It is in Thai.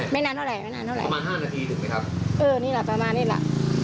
นานเท่าไหไม่นานเท่าไรประมาณห้านาทีถูกไหมครับเออนี่แหละประมาณนี้แหละ